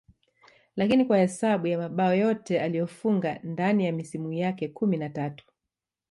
lakini kwa hesabu ya mabao yote aliyofunga ndani ya misimu yake kumi na tatu